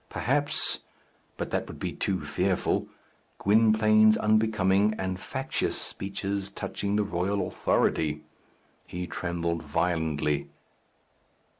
perhaps but that would be too fearful Gwynplaine's unbecoming and factious speeches touching the royal authority. He trembled violently.